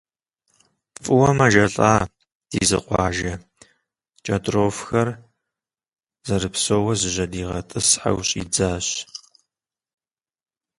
ФӀыуэ мэжэлӀа Дизкъуажэ кӀэртӀофхэр зэрыпсэууэ жьэдигъэтӀысхьэу щӀидзащ.